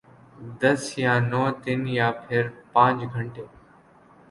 دس یا نو دن یا پھر پانچ گھنٹے؟